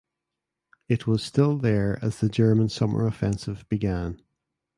It was still there as the German summer offensive began.